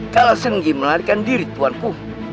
kalau senggi melarikan diri tuanku